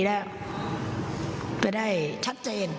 จะได้ชัดเจน